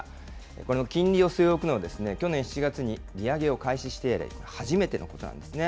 この金利を据え置くのは、去年７月に利上げを開始して以来、初めてのことなんですね。